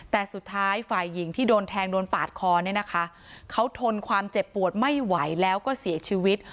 แต่สุดท้ายฝ่ายหญิงที่โดนแทงโดนปาดคอเนี่ยนะคะเขาทนความเจ็บปวดไม่ไหวแล้วก็เสียชีวิต